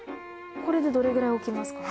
これでどれぐらい置きますか？